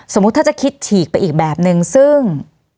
สมมติถ้าจะคิดฉีกไปอีกแบบหนึ่งซึ่ง